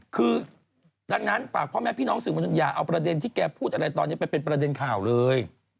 คือดังนั้นฝากพ่อแม่พี่น้องสื่อมวลชนอย่าเอาประเด็นที่แกพูดอะไรตอนนี้ไปเป็นประเด็นข่าวเลย